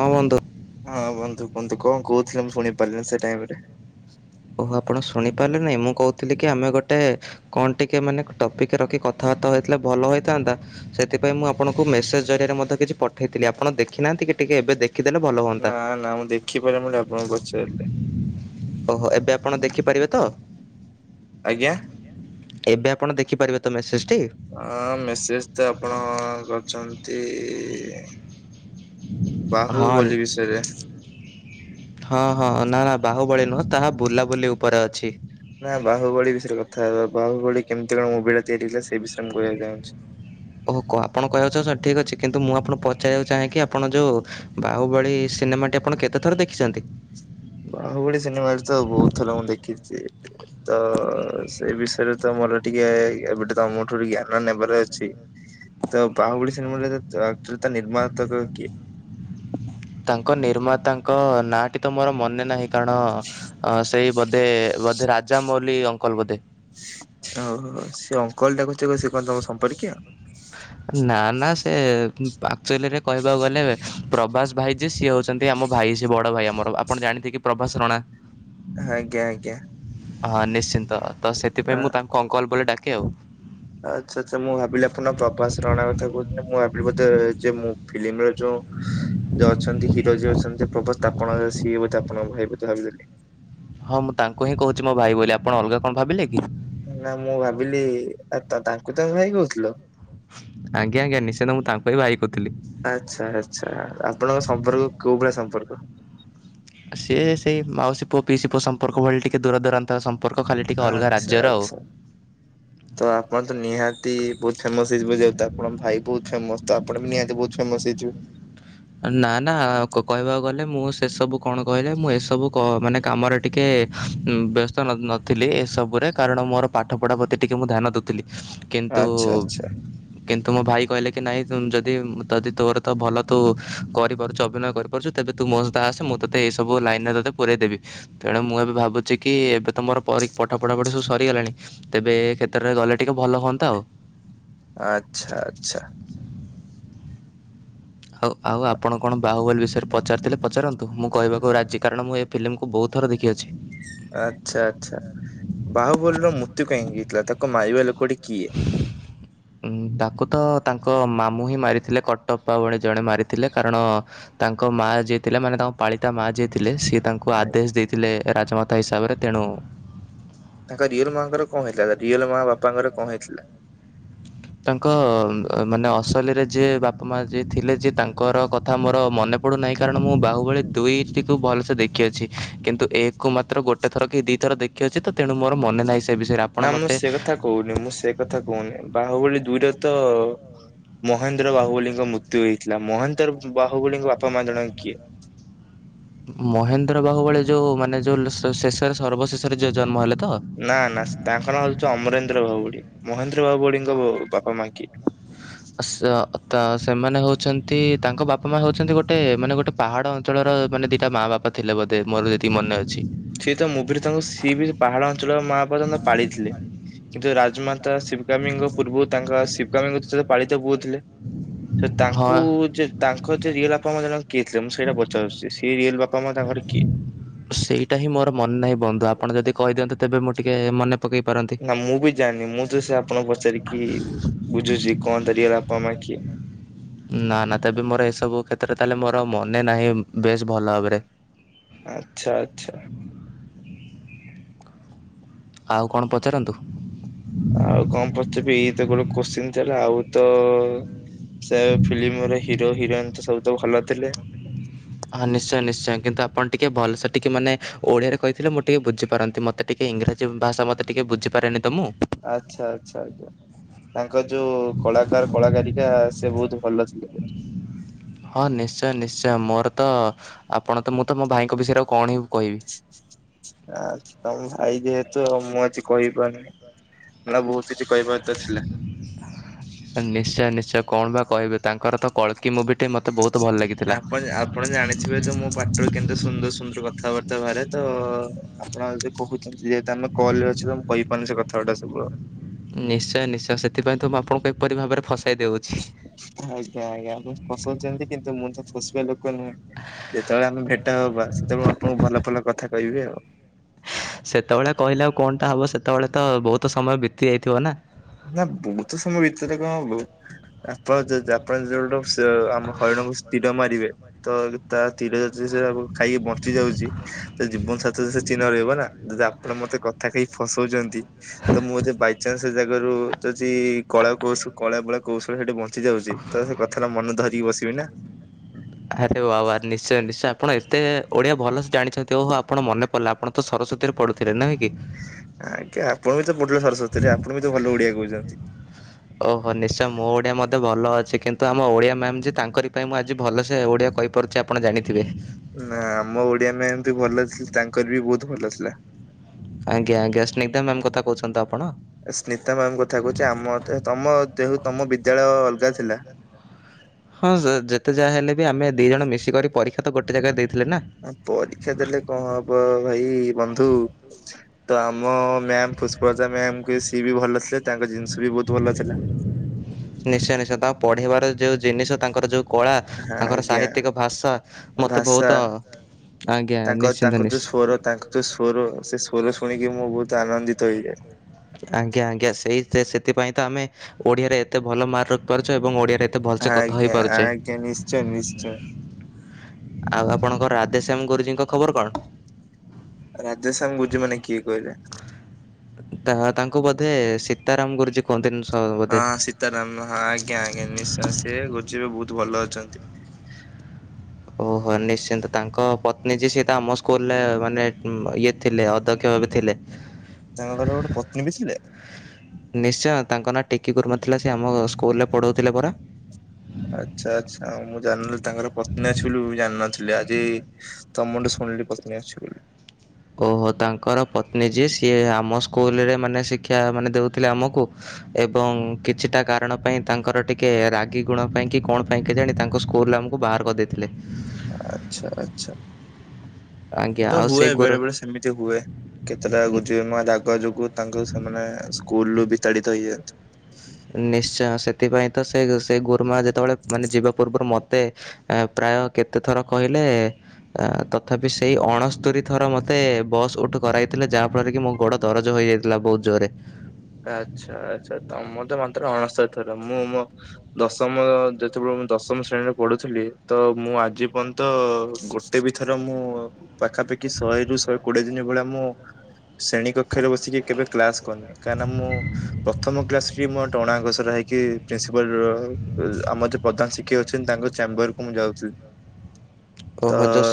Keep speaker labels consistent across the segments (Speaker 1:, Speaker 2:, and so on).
Speaker 1: ହଁ ବନ୍ଧୁ।
Speaker 2: ହଁ ବନ୍ଧୁ କୁହନ୍ତୁ। କଣ, କହୁଥିଲେ ମୁଁ ଶୁଣି ପାରିଲିନି, ସେ ଟାଇମ ରେ।
Speaker 1: ଓ ହୋ, ଆପଣ ଶୁଣିପାରିଲେ ନାଇଁ, ମୁଁ କହୁଥିଲି କି ଆମେ ଗୋଟେ କଣ, ଟିକେ ମାନେ ଟ ଟିକେ ରଖି କଥାବାର୍ତ୍ ହେଇଥିଲେ ଭଲ ହେଇ ଥାନ୍ତା। ସେଥିପାଇଁ ମୁଁ ଆପଣଙ୍କୁ ମେସେଜ ଜରିଆରେ, ମଧ୍ୟ କିଛି ପଠେଇଥିଲି। ଆପଣ ଦେଖିନାହାନ୍ତି? ଟିକେ ଏବେ ଦେଖିଦେଲେ ଭଲ ହୁଅନ୍ତା।
Speaker 2: ନା ନା। ମୁଁ ଦେଖିପାରିନି ବୋଲି ଆପଣଙ୍କୁ ପଚାରିଲି।
Speaker 1: ଓ ହୋ। ଏବେ ଆପଣ ଦେଖିପାରିବେ ତ?
Speaker 2: ଆଜ୍ଞା।
Speaker 1: ଏବେ ଆପଣ ଦେଖିପାରିବେ ତ ମେସେଜ?
Speaker 2: ହଁ, ମେସେଜ ତ ଆପଣ, କରିଛନ୍ତି।
Speaker 1: ହଁ।
Speaker 2: ବାହୁବଳି ବିଷୟରେ।
Speaker 1: ହଁ, ହଁ ନା ନା ବାହୁ ଭଳି ନୁହଁ। ତାହା ବୁଲାବୁଲି ଉପରେ ଅଛି।
Speaker 2: ନା ବାହୁବଳୀ ବିଷୟରେ କଥା ହବା। ବାହୁବଳୀ କେମିତି କଣ, ମୁଭି ଟା ତିଆରି ହେଥିଲା? ସେଇ ବିଷୟରେ ମୁଁ କହିବାକୁ ଚାହୁଁଛି।
Speaker 1: ଓ କହ, ଆପଣ କହିବାକୁ ଚାହୁଁଛନ୍ତି ଠିକ୍ ଅଛି, କିନ୍ତୁ ମୁଁ ଆପଣଙ୍କୁ ପଚାରିବାକୁ ଚାହେଁକି, ଆପଣ ଯୋଉ ବାହୁବଳୀ ସିନେମାଟି, ଆପଣ କେତେ ଥର ଦେଖିଛନ୍ତି?
Speaker 2: ବାହୁବଳି ସିନେମାରେ ତ ବହୁତ ଥର, ମୁଁ ଦେଖିଛି। ତ, ସେ ବିଷୟରେ ତ ମୋର ଟିକେ, ଏବେଠୁ ତମଠୁ ଜ୍ଞାନ ନେବାର ଅଛି। ତ ବାହାବୁଡି ସିନେମାର ଆକଚୁଆଲି ତା ନିର୍ମାତା କ କିଏ?
Speaker 1: ତାଙ୍କ ନିର୍ମାତାଙ୍କ ନାଁଟି ତ ମୋର ମନେ ନାହିଁ କାରଣ ସେଇ ବଧେ ବଧେ ରାଜ ମୌଲି ଅଙ୍କଲ ବଧେ।
Speaker 2: ଓହୋ ସେ ଅଙ୍କଲଟା ଡାକୁଛି ସିଏ କଣ ତମ ସମ୍ପର୍କୀୟ।
Speaker 1: ଆକଚୁଆଲିରେ କହିବାକୁ ଗଲେ ପ୍ରବାସ ଭାଇ ଯେ ସିଏ ହେଉଛନ୍ତି ଆମ ଭାଇ ସିଏ ବଡ଼ ଭାଇ ଆମର ଆପଣ ଜାଣ ଯେନତିକି ପ୍ରଭାସରଣା।
Speaker 2: ଆଜ୍ଞା ଆଜ୍ଞା।
Speaker 1: ହଁ ନିଶ୍ଚିନ୍ତ ତ
Speaker 2: ନା
Speaker 1: ସେଥିପାଇଁ ମୁଁ ତାଙ୍କୁ ଅଙ୍କଲ ବୋଲି ଡାକେ ଆଉ।
Speaker 2: ଆଚ୍ଛା ଆଚ୍ଛା ମୁଁ ଭାବିଲି ଆପଣଙ୍କ ପ୍ରଭାସ ରଣା କଥା କହୁଛନ୍ତି ମୁଁ ଭାବିଲି ଫିଲ୍ମର ଯୋଉ ଯୋଉ ଅଛନ୍ତି ହିରୋ ଯିଏ ଅଛନ୍ତି ପ୍ରବାସ ତାପଣ ସିଏ ବୋଧ ଆପଣ ଭାଇ ବିତ ଭାବିଲେନି
Speaker 1: ହଁ ମୁଁ ତାଙ୍କୁ ହିଁ କହୁଛି ମୋ ଭାଇ ବୋଲି ଆପଣ ଅଲଗା କଣ ଭାବିଲେ କି?
Speaker 2: ନା ମୁଁ ଭାବିଲି ତା-ତାଙ୍କୁ ତମ ଭାଇ କହୁଥିଲ।
Speaker 1: ଆଜ୍ଞା ଆଜ୍ଞା ନିଶ୍ଚିତ ମୁଁ ତାଙ୍କୁ ପାଇଁ ଭାଇ କହୁଥିଲି।
Speaker 2: ଆଛା ଆଛା ଆପଣଙ୍କ ସମ୍ପର୍କ କୋଉ ଭଳିଆ ସମ୍ପର୍କ।
Speaker 1: ସିଏ ସେଇ ମାଉସୀ ପୁଅ ପିଇସି ପୁଅ ସମ୍ପର୍କ ଭଳି ଟିକେ ଦୂରାଦୂରାନ୍ତ ସମ୍ ଖାଲି ଟିକେ ଅଲଗା
Speaker 2: ଆଚ୍ଛା
Speaker 1: ରାଜ୍ୟର ଆଉ।
Speaker 2: ଆଚ୍ଛା। ତ ଆପଣ ତ ନିହାତି ବହୁତ ଫେମସ ହେଇଯିବେ ଯେଉତୁ ଆପଣଙ୍କ ଭାଇ ବହୁତ ଫେମସ। ତ ଆପଣ ବି ନିହାତି ବହୁତ ଫେମସ ହେଇଥିବେ।
Speaker 1: ନା ନା କ-କହିବାକୁ ଗଲେ ମୁଁ ସେସବୁ କଣ କହିଲେ ମୁଁ ଏସବୁ କ ମାନେ କାମରେ ଟିକିଏ ଉଁ ବ୍ୟସ୍ତ ନ-ନଥିଲି ଏସବୁରେ କାରଣ ମୋର ପାଠପଢ଼ା ପ୍ରତି ଟିକିଏ ମୁଁ ଧ୍ୟାନ ଦେଉଥିଲି। କିନ୍ତୁ
Speaker 2: ଆଚ୍ଛା ଆଚ୍ଛା
Speaker 1: କିନ୍ତୁ ମୋ ଭାଇ କହିଲେ କି ନାଇଁ ଯଦି ଯଦି ତ ତୋର ତ ଭଲ ତୁ କରିପାରୁଛୁ ଅଭିନୟ କରିପାରୁଛୁ ତେବେ ତୁ ମୋ ସଇତ ଆସେ ମୁଁ ତୋତେ ଏଇବୁ ଲାଇନରେ ତୋତେ ପୁରେଇ ଦେବି ତେଣୁ ମୁଁ ଏ ଏ ଭାବୁଛି କି ଏବେ ତ ମୋର ପରି ପାଠ ପଢାପଢି ସବୁ ସରିଗଲାଣି ତେବେ ଏ କ୍ଷେତ୍ରରେ ଗଲେ ଟିକେ ଭଲ ହୁଅନ୍ତା ଆଉ।
Speaker 2: ଆଚ୍ଛା ଆଚ୍ଛା।
Speaker 1: ଆଉ ଆଉ ଆପଣ କଣ ବାହୁବଲୀ ବିଷୟରେ ପଚାରିଥିଲେ ପଚାରନ୍ତୁ ମୁଁ କହିବାକୁ ରାଜି କାରଣ ମୁଁ ଏ ଫିଲମକୁ ବହୁ ଥର ଦେ
Speaker 2: ଆଚ୍ଛା ଆଚ୍ଛା ବାହୁବଲୀ ର ମୃତ୍ୟୁ କାହିଁକି ହେଇଥିଲା ତାକୁ ମାରିବା ଲୋକ ଟି
Speaker 1: ଉ ତାକୁ ତ ତାଙ୍କ ମାମୁଁ ହିଁ ମାରିଥିଲେ କଟପ ଭଣୀ ଜଣେ ମାରିଥିଲେ କାରଣ ତାଙ୍କ ମା ଯିଏ ଥିଲେ ମାନେ ତା ପାଳିତା ମା ଯିଏ ଥିଲେ ସି ତାଙ୍କୁ
Speaker 2: ଆଜ୍ଞା।
Speaker 1: ଆଦେଶ ଦେଇଥିଲେ ରାଜମାତା ହିସାବରେ ତେଣୁ
Speaker 2: ତାଙ୍କ ରିଅଲ ମାଙ୍କର କଣ ହେଇଥିଲା ରିଅଲ ମା ବାପାଙ୍କର କଣ ହେଇଥିଲା?
Speaker 1: ତାଙ୍କ ମାନେ ଅସଲିରେ ଯିଏ ବାପା ମା ଯିଏ ଥିଲେ ଯିଏ ତାଙ୍କର କଥା ମୋର ମନେ ପଡୁନାହିଁ କାରଣ ମୁଁ ବାହୁବଳି ଦୁଇ ଟିକୁ ଭଲସେ ଦେଖିଅଛି କିନ୍ତୁ ଏକ ମାତ୍ର ଗୋଟେ ଥର କି ଦିଥର ଦେଖିଅଛି ତେଣୁ ମୋର ମନେ ନାହିଁ। ସେ ବିଷୟରେ ଆପଣ
Speaker 2: ନା ମୁଁ
Speaker 1: ମୋତେ
Speaker 2: ସେ କଥା କହୁନି ମୁଁ ସେ କଥା କହୁନି ବାହୁବଳି ଦୁଇରେ ତ ମହେନ୍ଦ୍ର ବାହୁବଳୀଙ୍କ ମୃତ୍ୟୁ ହୋଇଥିଲା ମହେନ୍ଦ୍ର ବାହୁବଳୀଙ୍କ ବାପା ମା ଜଣ କିଏ?
Speaker 1: ମହେନ୍ଦ୍ର ବାହୁ ଭଳି ଯୋଉ ମାନେ ଯୋଉ ଶେଷରେ ସର୍ବଶେଷରେ ଯୋଉ ଜନ୍ମ ହେଲେ। ତ?
Speaker 2: ନା ନା ତାଙ୍କ ନାଁ ହଉଛି ଅମରେନ୍ଦ୍ର ବାହୁବଳି ମହେନ୍ଦ୍ର ବାହୁବଳିଙ୍କ ବାପା ମା କିଏ?
Speaker 1: ଆସ। ତ ସେମାନେ ହଉଛନ୍ତି ତାଙ୍କ ବାପା ମା ହଉଛନ୍ତି ଗୋଟେ ମାନେ ଗୋଟେ ପାହାଡ ଅଞ୍ଚଳର ମାନେ ଦିଟା ମା ବାପା। ଥିଲେ ବୋଧେ ମୋର ଯଦି ମନେ ଅ
Speaker 2: ସିଏ ତ ମୁଭିିର ତାଙ୍କୁ ସିଏ ବି ପାହାଡ଼ ଅଞ୍ଚଳ ମା ବାପା ତାଙ୍କୁ ପାଳିଥିଲେ। କିନ୍ତୁ ରାଜମାତା ଶିବଗାମୀଙ୍କ ପୂର୍ବରୁ ତାଙ୍କ ଶି ଗାମୀ ପାଳିତ ବୋଉଥିଲେ ସେ
Speaker 1: ହଁ।
Speaker 2: ତାଙ୍କୁ ଯେ ତାଙ୍କ ଯେ ରିୟଲ ଆପଣ କିଥିଲେ ମୁଁ ସେଇଟା ପଚାରୁଛି ସିଏ ରିଅଲ ବା
Speaker 1: ସେଇଟା ହିଁ ମୋର ମନେ ନାହିଁ ବନ୍ଧୁ ଆପଣ ଯଦି କହି ଦିଅନ୍ତେ ତେବେ ମୁଁ ଟିକେ ମନେ ପକେଇ ପାରନ୍ତି।
Speaker 2: ନା ମୁଁ ବି ଜାଣିନି ମୁଁ ତ ସେ ଆପଣଙ୍କୁ ପଚାରିକି ବୁଝୁଛି କଣ ଧରିଗଲା ଆପଣ ମା [unintelligible]
Speaker 1: ନା ନା ତେବେ ମୋର ଏସବୁ କ୍ଷେତ୍ରରେ ତାହେଲେ ମୋର ମନେ ନାହିଁ ବେଶ ଭଲ ଭାବରେ।
Speaker 2: ଆଛା ଆଚ୍ଛା।
Speaker 1: ଆଉ କଣ ପଚାରନ୍ତୁ।
Speaker 2: ଆଉ କଣ ପଚାବୀ ଏଇ ତ ଗୋଟେ କୋଶ୍ଚିିନ ଥେଲା ଆଉ ତ ସେ ଫିଲ୍ମରେ ହିରୋ ହିରୋଇନ ତ ସବୁ ତ ଭଲ ଥିଲେ।
Speaker 1: ହଁ ନିଶ୍ଚୟ ନିଶ୍ଚୟ କିନ୍ତୁ ଆପଣ ଟିକେ ଭଲସେ ଟିକେ ମାନେ ଓଡିଆରେ କହିଥିଲେ ମୁଁ ଟିକେ ବୁଝିପାରନ୍ତି ମତେ ଟିକେ ଇଂରାଜୀ ଭାଷା ମତେ ଟିକେ ବୁଝିପାରେନି ତ ମୁଁ।
Speaker 2: ଆଚ୍ଛା ଆଚ୍ଛା ଆଛା। ତାଙ୍କ ଯୋଉ କଳାକାର କଳାକାରିକା ସେ ବହୁତ ଭଲ ଥିଲେ।
Speaker 1: ହଁ ନିଶ୍ଚୟ ନିଶ୍ଚୟ ମୋର ତ ଆପଣ ତ ମୁଁ ତ ମୋ ଭାଇଙ୍କ ବିଷୟରେ ଆଉ କଣ ହେବି।
Speaker 2: ଆଛା। ତମ ଭାଇ ଯେହେତୁ ମୁଁ ଆଜି କହିପାରୁିନି ନା ବହୁତ କିଛି କହିପାରୁ
Speaker 1: ନିଶ୍ଚୟ ନିଶ୍ଚୟ କଣ ବା କହିବି ତାଙ୍କର ତ କଳକି ମୁଭି
Speaker 2: ଆପଣ ଆପଣ ଜାଣିଥିବେ ତ ମୋ ପାଟିରୁ କେମିତି ସୁନ୍ଦର ସୁନ୍ଦର କଥାବାର୍ତ୍ତା ବାହାରେ ତ। ତ ଆପଣ ଯଦି କହୁଛନ୍ତି ଯେହେତୁ ଆମେ କଲରେ ଅଛ ତ ମୁଁ କହିପାରୁନି ସେ କଥା ଗୁଡା ସବୁ ଆଉ।
Speaker 1: ନିଶ୍ଚୟ ନିଶ୍ଚୟ ସେଥିପାଇଁ ତ ମୁଁ ଆପଣ କହିଵ
Speaker 2: ଆଜ୍ଞା ଆଜ୍ଞା ଆ ଫସଉଛନ୍ତି କିନ୍ତୁ ମୁଁ ତ ଫସିବା ଲୋକ ନୁହଁ ଯେତେବେଳେ ଆମେ ଭେଟ ହବା ସେତେବେଳେ ଆପଣଙ୍କୁ ଭଲ ଭଲ କଥା କହିବି ଆଉ।
Speaker 1: ସେତେବେଳେ କହିଲେ ଆଉ କଣଟା ହବ ସେତେବେଳେ ତ ବହୁତ ସମୟ ବିତି ଯାଇଥିବ ନା।
Speaker 2: ନା ବହୁତ ସମୟ ଭିତରେ କଣ ହବୁ ଆପଣ ଯ ଆପଣ ଯଉଟୁ ସେ ଆମ ହରିଣକୁ ସ୍ଥିର ମାରିବେ ତ ତା ତା ତୀର ଯଦି ସେ ଖାଇକି ବଞ୍ଚି ଯାଉଚି ସେ ଜୀବନ ସାଥି ତ ସେ ରହିବ ନା ଯଦି ଆପଣ ମତେ କଥା କହି ଫସଉଛନ୍ତି ତ ମୁଁ ଜେ ବାଇଚାନ୍ସ ଗରୁ ଯଦି କଳା କୌଶଳ କଳେ ବଳେ କୌଶଳେ ସେଠି ବଞ୍ଚି ଯାଉଛି ତ ସେ କଥାଟା ମନେ ଧରିକି ବସିବ। କିନା।
Speaker 1: ଆରେ ବାବା ନିଶ୍ଚୟ ନିଶ୍ଚୟ ଆପଣ ଏତେ ଓଡିଆ ଭଲସେ ଜାଣିଛ ଓହ ଆପଣ ମନେ ପଡ଼ିଲା ଆପଣତ ସରସ୍ୱତୀରେ ପଡୁଥିଲେ ନାଁ କି?
Speaker 2: ଆଜ୍ଞା ଆପଣ ବି ତ ପଢିଲେ ସରସ୍ଵତୀରେ ଆପଣ ବି ତ ଭଲ ଓଡିଆ କହୁଛନ୍ତି।
Speaker 1: ଓହୋ ନିଶ୍ଚୟ ମୋ ଓଡିଆ ମତେ ଭଲ ଅଛି। ସେ କିନ୍ତୁ ଆମ ଓଡ଼ିଆ ମ୍ୟାମ୍ ଯେ ତାଙ୍କରି ପାଇଁ ମୁଁ ଆଜି ଭଲସେ ଓଡ଼ିଆ କହିପାରୁଛି ଆପଣ ଜାଣିଥିବେ।
Speaker 2: ନା ଆମ ଓଡିଆ ମ୍ୟାମ ବି ଭଲ ତାଙ୍କର ବି ବହୁତ ଭଲ ଥିଲା।
Speaker 1: ଆଜ୍ଞା ଆଜ୍ଞା ସ୍ନିଗ୍ଧା ମ୍ୟାମ କଥା କହୁଛନ୍ତି ତ ଆପ
Speaker 2: ସ୍ନିଗ୍ଧା ମ୍ୟାାମ କଥା କହୁଛି ଆମ ତମ ଦେହୁ ତମ ବିଦ୍ୟାଳୟ ଅଲଗା ଥିଲା।
Speaker 1: ହଁ ଯେତେ ଯାହା ହେଲେ ବି ଆମେ ଦି ଜଣ ମିଶିକରି ପରୀକ୍ଷା ତ ଗୋଟେ ଜାଗାରେ ଦେଇ
Speaker 2: ପରୀକ୍ଷା ଦେଲେ କଣ ହବ ଭାଇ ବନ୍ଧୁ ତ ଆ ଆମ ମ୍ୟାାମ ପୁଷ୍ପଲତା ମ୍ୟାାମ କୁ ସିଏ ବି ଭଲ ଥିଲେ ତାଙ୍କ ଜିନିଷ ବି ବହୁତ ଭଲ ଥିଲା।
Speaker 1: ପଢ଼େଇିବାର ଯୋଉ ଜିନିଷ ତାଙ୍କର ଯୋଉ କଳା
Speaker 2: ହଁ
Speaker 1: ତାଙ୍କର
Speaker 2: ଆଜ୍ଞା
Speaker 1: ସାହିତ୍ୟିକ ଭାଷା ମୋତେ
Speaker 2: ଭାଷା
Speaker 1: ବହୁତ ଆଜ୍ଞା
Speaker 2: ତାଙ୍କ
Speaker 1: ନିଶ୍ଚିନ୍ତ
Speaker 2: ତାଙ୍କ
Speaker 1: ନିଶ୍ଚ
Speaker 2: ଯୋଉ ସ୍ୱର ତାଙ୍କ ଯୋଉ ସ୍ୱର ସେ ସ୍ୱର ଶୁଣିକି ମୁଁ ବହୁତ ଆନନ୍ଦିତ ହେଇଯାଏ।
Speaker 1: ଆଜ୍ଞା ଆଜ୍ଞା ସେଇ ସେ ସେଥିପାଇଁ ତ ଆମେ ଓଡିଆରେ ଏତେ ଭଲ ମାର୍କ ରଖିପାରୁଚୁ ଏବଂ ଓଡିଆରେ
Speaker 2: ଆଜ୍ଞା ଆଜ୍ଞା ନିଶ୍ଚୟ ନିଶ୍ଚୟ।
Speaker 1: ଆଉ ଆପଣଙ୍କ ରାଧେଶ୍ୟାମ ଗୁରୁଜୀଙ୍କ ଖବର କଣ?
Speaker 2: ରାଜେଶ ସାଙ୍ଗ ବୁଝି ମାନେ କିଏ କହିଲେ।
Speaker 1: ତ ତାଙ୍କୁ ବୋଧେ ସୀତାରାମ ଗୁରୁଜୀ କୁହନ୍ତିନି ସ ବୋଧେ।
Speaker 2: ହଁ ସୀତାରାମ ହଁ ଆଜ୍ଞା ଆଜ୍ଞା ନିଶୟ ସିଏ ଗୁରଜୀ ଏବେ ବହୁତ ହୁ ଭଲ ଅଛନ୍ତି।
Speaker 1: ଓହୋ ନିଶ୍ଚିନ୍ତ ତାଙ୍କ ପତ୍ନୀ ଯ ସେି ତ ଆମ ସ୍କୁଲରେ ମାନେ ଇଏ ଥିଲେ ଅଧକ୍ଷ। ବି ଥିଲେ।
Speaker 2: ତାଙ୍କ ଘର ଗୋଟେ ପତ୍ନୀ ବି ଥିଲେ।
Speaker 1: ନିଶ୍ଚୟ! ତାଙ୍କ ନାଁ ଟିକି ଗୁରୁମା ଥିଲା, ସେ ଆମ ସ୍କୁଲରେ ପଢ଼ଉଥିଲେ ପରା।
Speaker 2: ଆଚ୍ଛା ଆଚ୍ଛା, ମୁଁ ଜାନ୍ଲି ତାଙ୍କର ପତ୍ନୀ ଅଛି ବୋଲି, ମୁଁ ଜାଣିନଥିଲି। ଆଜି ତମ ଠୁ ଶୁ ଥୁଣଲି ପ୍ରଥମେ ଆସଛି ବୋଲି।
Speaker 1: ଓହୋ! ତାଙ୍କର ପତ୍ନୀ ଯିଏ, ସିଏ ଆମ ସ୍କ ସ୍କୁଲରେ ମାନେ ଶିକ୍ଷା ମାନେ ଦେଉଥିଲେ ଆମକୁ ଏବଂ କିଛିଟା କାରଣ ପାଇଁ ତାଙ୍କର ଟିକେ ଏ ରାଗି ଗୁଣ ପାଇଁ କି କଣ ପାଇଁ କେଜାଣି! ତାଙ୍କୁ ସ୍କୁଲ ରୁ ଆମକୁ ବାହାର କରିଦେଇଥିଲେ।
Speaker 2: ଆଛା ଆଛା
Speaker 1: ଆଜ୍ଞା
Speaker 2: ତ
Speaker 1: ଆଉ ସେ
Speaker 2: ହୁଏ,
Speaker 1: ଗୋର
Speaker 2: ବେଳେ ବେଳେ ସେମିତି ହୁଏ। କେତେଟା ଗୁଜି ମା ଦାଗ ଯୋଗୁଁ ତାଙ୍କୁ ସେମାନେ ସ୍କୁଲୁ ବିତାଡିତ ହେଇଆନ୍ତି।
Speaker 1: ନିଶ୍ଚୟ! ସେଥିପାଇଁ ତ ସେ ସେ ଗୋରୁମା ଯେତେବେଳେ ମାନେ ଯିବା ପୂର୍ବରୁ ମତ ମତେ ପ୍ରାୟ କେତେ ଥର କହିଲେ ତଥାପି ସେଇ ଅଣସ୍ତୁୁରୀ ଥର ମତେ ବସ୍ ଉଠୁ କରାଇଥିଲେ। ଯାହା ଫଳରେ କି ମୋ ଗୋଡ ଦରଜ ହୋଇ ହେଇଯାଇଥିଲା ବହୁତ ଜୋରରେ।
Speaker 2: ଆଛା ଆଛା ତମତେ ମାତ୍ର ଅଣସ୍ତରୀ ଥର। ମୁଁ ମୋ ଦଶମ ଯେତେବେଳେ ମୁଁ ଦଶମ ଶ୍ରେଣୀରେ ପଢୁଥିଲି। ତ ମୁଁ ଆଜି ପନ୍ତ ଗୋଟେ ବି ଥର ମୁଁ ପାଖ ପାଖାପାଖି, ଶହେରୁୁ ଶହେ କୋଡିଏ ଦିନ ଭଳିଆ ମୁଁ ଶ୍ରେଣୀ କକ୍ଷରେ ବସିକି, କେବେ କ୍ଲାସ କନି? କାହିଁକିନା ମୁଁ, ପ୍ରଥମ କ୍ଲାସ ରୁହି ମୋ ଟଣାଘୋସରା ହେଇକି ପ୍ରିନ୍ସିପାଲ୍-ଲ ର ଆମ ଯ ପ୍ରଧାନ ଶିକ୍ଷକ ଅଛନ୍ତି। ତାଙ୍କ ଚାମ୍ବର କୁ ମୁଁ ଯାଉଥିଲି।
Speaker 1: ଅହଜସ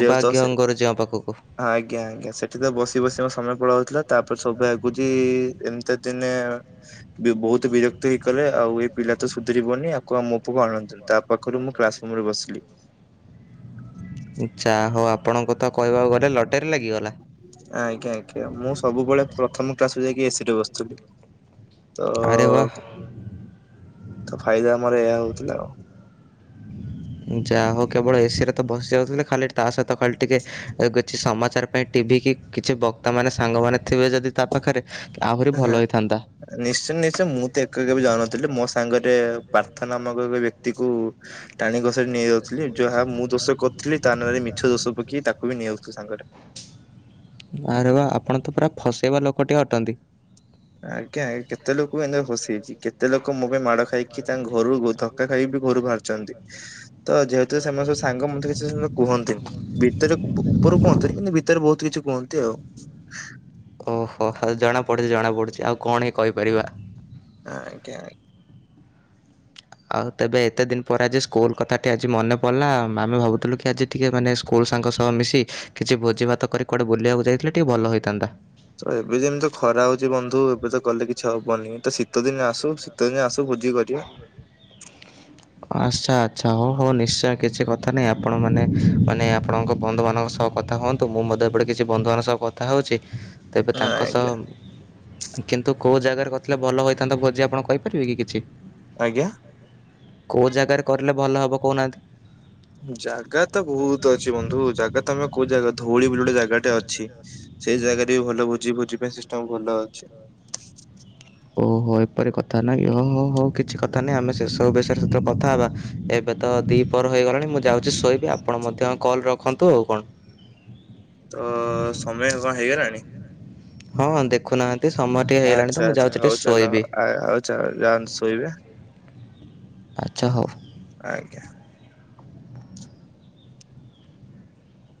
Speaker 2: ଯେହେତ ସେ ଆଜ୍ଞା, ଆଜ୍ଞା, ସେଠି ତ ବସି ବସି ମସ ସମୟ ପଳାଉଥିଲା। ତାପରେ ସବୁ ଆ ଗୁଜୀ ଏମ୍ ତେ ଦିନେ ବହୁତ ବିରକ୍ତି ହେଇକଲେ, ଆଉ ଏଇ ପିଲା ତ ସୁଧରିବନି। ଆକୁ ଆଉ ମୋ ପଖକୁ ଆଣନି। ତା ପାଖରୁ ମୁଁ କ୍ଲାସ ରୁମ୍ ରେ ବସିଲି।
Speaker 1: ଚା ହଉ ଆପଣଙ୍କ ତ କହିବାକୁ ଗଲେ ଲଟ
Speaker 2: ଆଜ୍ଞା, ଆଜ୍ଞା, ମୁଁ ସବୁବେଳେ ପ୍ରଥମ କ୍ଲାସୁ ଯାଇକି ଏସି ରେ ବସିଥିଲି।
Speaker 1: ଆରେୱାହ!
Speaker 2: ତ ଫାଇଦା ଆମର ଏୟା ହଉଥିଲା ଆଉ।
Speaker 1: ଯାହା ହଉ, କେବଳ ଏସି ରେ ତ ବସି ଯାଉଥିଲେ। ଖାଲି ତା ସହିତ ଖାଲି ଟିକେ କିଛି ସମା ପ୍ରଚାର ପାଇଁ, ଟିଭି କି କିଛି ବକ୍ତାମାନେ, ସାଙ୍ଗମାନେ ଥିବେ ଯଦି ତା ପାଖରେ ଆହୁରି
Speaker 2: ହଁ,
Speaker 1: ଭଲ ହେଇଥାନ୍ତା।
Speaker 2: ନିଶ୍ଚୟ! ନିଶ୍ଚୟ! ମୁଁ ତ ଏକା କେବେ ଯାଉନଥିଲି ମୋ ସାଙ୍ଗରେ ରେ ପ୍ରାର୍ଥ ନାମକ ବ୍ୟକ୍ତି କୁ ଟାଣି ଘୋଷାଡି ନେଇଯାଉ ଥିଲେ। ଯାହା ମୁଁ ଦୋଷ କରୁଥିଲି, ତା ନା' ରେ ମିଛ ଦୋଷ ପକେଇ ତାକୁ ବି ନେଇଆଉଥିଲି ସାଙ୍ଗରେ।
Speaker 1: ଆରେ ବାଃ, ଆପଣ ତ ପୁରା ଫସେଇବା ଲୋକଟି ଅଟନ୍ତି।
Speaker 2: ଆଜ୍ଞା, ଏ କେତେ ଲୋକକୁ ଏଁତି ହସେଇଛି। କେତେ ଲୋକ ମୋ ପାଇଁ ମାଡ ଖାଇକି ତାଙ୍କ ଘରୁକୁ ଧକ୍କା ଖାଇବି ଘୋ ଘରୁ ବାହାରିଛନ୍ତି। ତ ଯେହେତୁ ସେମାନେ ସବୁ ସାଙ୍ଗ ମତେ ସେତେ କିଛି କୁହନ୍ତିନି। ଭିତରେ ଉପ ପ ରୁ କୁହନ୍ତିରି। କିନ୍ତୁ, ଭିତରେ ବହୁତ କିଛି କୁହନ୍ତି ଆଉ।
Speaker 1: ଓହୋ! ହଲ୍ ଜଣା ପଡୁଛି, ଜଣା ପଡୁଛି, ଆଉ କଣ ହି କହିପାରିବା?
Speaker 2: ଆଜ୍ଞା। ଆଜ୍ଞା।
Speaker 1: ଆଉ, ତେବେ ଏତେ ଦିନ ପରେ ଯେ ସ୍କୁଲ କଥାଟି ଆଜି ମନେ ପଲା। ଆମେ ଭାବୁଥିଲୁ କି ଆଜି ଟିକେ ମାନେ ସ୍କୁଲ ଶାଙ୍କ ସହ ମିଶି କିଛି ଭୋଜିଭାତ କରି କୁଆଡ଼େ ବୁଲିଆକୁ ଯାଇଥିଲେ, ଟିକିଏ ଭଲ ହୋଇଥାନ୍ତା।
Speaker 2: ତ ଏବେ ଯେମିତି ଖରା ହଉଛି ବନ୍ଧୁ! ଏବେ ତ ଗଲେ କିଛି ହବନି। ତ ଶୀତ ଦିନ ଆସୁ, ଶୀତ ଦିନ ଆସୁ ଭୋଜି କରିବା
Speaker 1: ଆସ୍ଛାତ୍ ଆଚ୍ଛା, ହଉ ହଉ ନିଶ୍ଚୟ! କିଛି କଥା ନାହିଁ। ଆପଣମାନେ ମାନେ ଆପଣଙ୍କ ବନ୍ଧୁମାନଙ୍କ ସହ କଥା ହୁଅନ୍ତୁ, ମୁଁ ମୋତ୍ ତ ଏପଟ କିଛି ବନ୍ଧୁମାନଙ୍କ ସହ କଥା ହେଉଛି, ତେବେ ତାଙ୍କ ସହ
Speaker 2: ଆଜ୍ଞା।
Speaker 1: କିନ୍ତୁ କଉ ଜାଗାରେ କଥିଲେ ଭଲ ହୋଇଥାନ୍ତା ଥା ଭୋଜି ଆପଣ କହିପାରିବେ କିଛି?
Speaker 2: ଆଜ୍ଞା
Speaker 1: କୋଉ ଜାଗାରେ କରିଲେ ଭଲ ହବ କହୁନାହାଁନ୍ତି?
Speaker 2: ଜାଗା ତ ବହୁତ ଅଛି ବନ୍ଧୁ। ଜାଗା ତମେ କୋଉ ଜାଗା ଧଉଳି, ବୁଲି ଗୋଟେ ଜାଗାଟେ ଅଛି। ସେଇ ଜାଗାରେ ବି ଭଲ ଭୁଜି ଭୁଜି ପାଇଁ ସିଷ୍ଟମ୍ ଭଲ ଅଛି।
Speaker 1: ଓହୋ! ଏପରି କଥା ନାହିଁ ଓହୋ! ହୋ କିଛି କଥା ନାଇଁ ଆମେ ସେ ସବୁ ବିଷୟରେ ସେଥେଳେ କଥା ହେବା। ଏବେ ଏବେ ତ ଦି ପରହ ହେଇଗଲାଣି। ମୁଁ ଯାଉଛି ଶୋଇବି। ଆପଣ ମଧ୍ୟ କଲ୍ ରଖନ୍ତୁ ଆଉ କଣ?
Speaker 2: ତ ସମୟ କଣ ହେଇଗଲାଣି?
Speaker 1: ହଁ ଦେଖୁନାହାନ୍ତି? ଟେ ସମୟ ଟିକେ ହେଇଲାଣି ତ,
Speaker 2: ଆଚ୍ଛା
Speaker 1: ମୁଁ
Speaker 2: ଆଚ୍ଛା
Speaker 1: ଯାଉଛି ଟିକେ
Speaker 2: ହଉ ଚାଲ
Speaker 1: ଶୋଇବି।
Speaker 2: ଆଉ ଯାଆନ୍ତୁ ଶୋଇବେ
Speaker 1: ଆଚ୍ଛା ହଉ।
Speaker 2: ଆଜ୍ଞା।